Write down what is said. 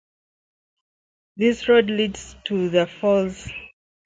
This road leads to the falls.